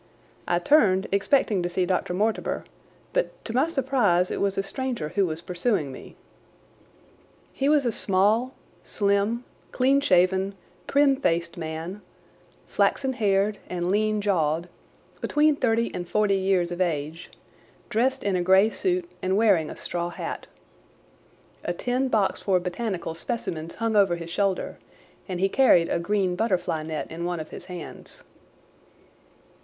I turned, expecting to see Dr. Mortimer, but to my surprise it was a stranger who was pursuing me. He was a small, slim, clean shaven, prim faced man, flaxen haired and lean jawed, between thirty and forty years of age, dressed in a grey suit and wearing a straw hat. A tin box for botanical specimens hung over his shoulder and he carried a green butterfly net in one of his hands.